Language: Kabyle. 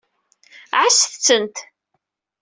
Ɛasset-tent.